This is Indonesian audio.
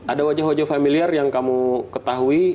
ada wajah wajah familiar yang kamu ketahui